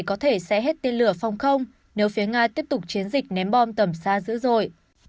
có thể sẽ hết tên lửa phòng không nếu phía nga tiếp tục chiến dịch ném bom tầm xa dữ dội